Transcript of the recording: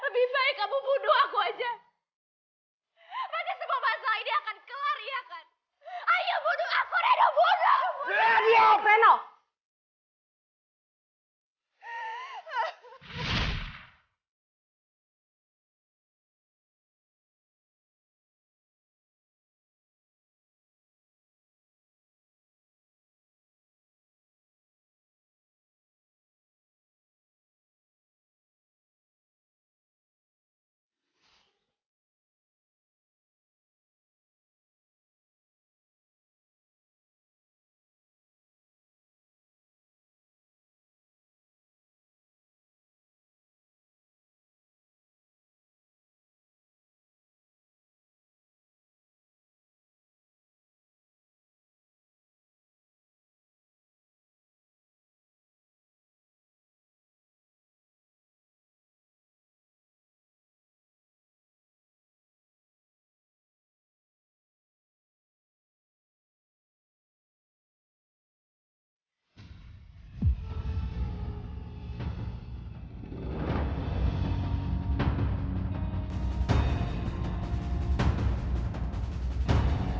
lebih baik kamu bunuh aku aja